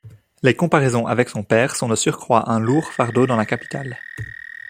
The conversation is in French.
Les comparaisons avec son père sont de surcroît un lourd fardeau dans la capitale.